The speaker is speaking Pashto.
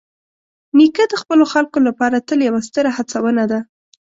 نیکه د خپلو خلکو لپاره تل یوه ستره هڅونه ده.